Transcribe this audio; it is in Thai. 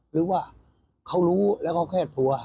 หรือว่าเขารู้และก็แค่ตัว